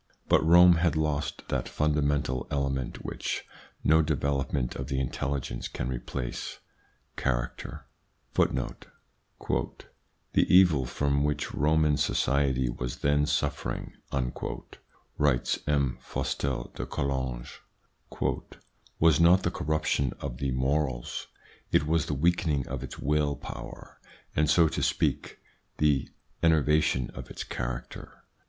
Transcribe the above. But Rome had lost that fundamental element which no development of the intelligence can replace : character. 1 lu The evil from which Roman society was then suffering," writes M. Fustel de Coulanges, "was not the corruption of its morals ; it was the weakening of its will power, and, so to speak, the enervation of its character."